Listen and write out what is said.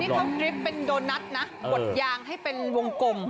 เขากริปเป็นโดนัทนะกดยางให้เป็นวงกลม